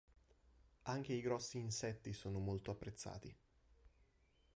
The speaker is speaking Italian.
Anche i grossi insetti sono molto apprezzati.